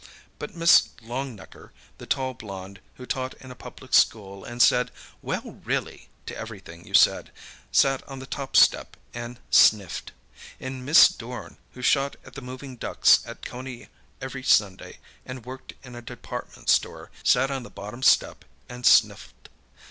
But Miss Longnecker, the tall blonde who taught in a public school and said, "Well, really!" to everything you said, sat on the top step and sniffed. And Miss Dorn, who shot at the moving ducks at Coney every Sunday and worked in a department store, sat on the bottom step and sniffed.